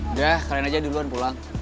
udah kalian aja duluan pulang